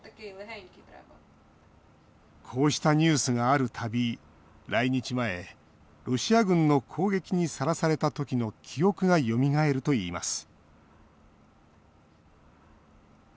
こうしたニュースがある度来日前、ロシア軍の攻撃にさらされたときの記憶がよみがえるといいます